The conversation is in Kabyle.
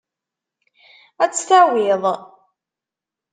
Ad tt-tawiḍ.